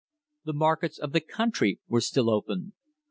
The markets of the country were still open.